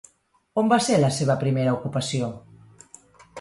On va ser la seva primera ocupació?